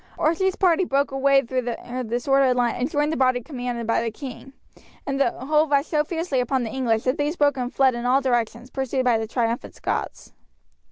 Archie's party broke a way through their disordered line and joined the body commanded by the king, and the whole rushed so fiercely upon the English that these broke and fled in all directions, pursued by the triumphant Scots.